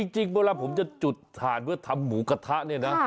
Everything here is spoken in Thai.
จริงเวลาผมจะจุดถ่านเพื่อทำหมูกระทะเนี่ยนะ